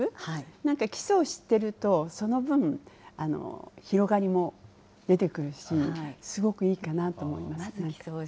なんか基礎を知ってると、その分、広がりも出てくるし、すごくいいかなと思います。